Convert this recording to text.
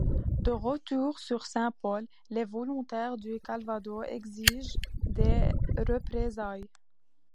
De retour sur Saint-Pol, les volontaires du Calvados exigent des représailles.